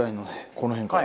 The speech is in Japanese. この辺から。